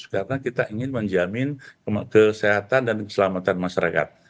karena kita ingin menjamin kesehatan dan keselamatan masyarakat